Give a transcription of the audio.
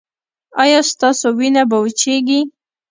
ایا ستاسو وینه به وچیږي؟